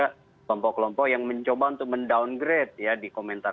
meskipun pasti ada juga kelompok kelompok yang mencoba untuk mendowngrade ya di komentari